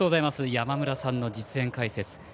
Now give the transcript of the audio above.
山村さんの実演解説。